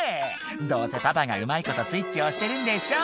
どうせパパがうまいことスイッチ押してるんでしょ？